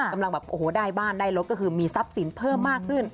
กำลังแบบโอ้โหได้บ้านได้รถก็คือมีทรัพย์สินเพิ่มมากขึ้น